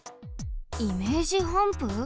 イメージハンプ？